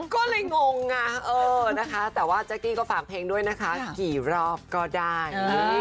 ก็เลยงงแต่ว่าจ๊ะกี้ก็ฝากแท้งด้วยนะคะกี่รอบก็ได้